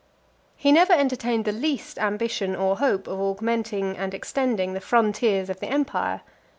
XVIII. He never entertained the least ambition or hope of augmenting and extending the frontiers of the empire.